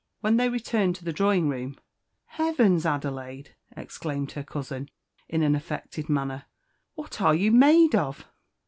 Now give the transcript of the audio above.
When they returned to the drawing room, "Heavens! Adelaide," exclaimed her cousin, in an affected manner, "what are you made of?